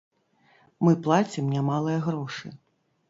Мы плацім немалыя грошы.